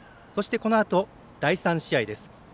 このあと、第３試合です。